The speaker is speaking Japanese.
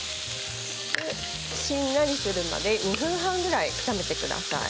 しんなりするまで２分半ぐらい炒めてください。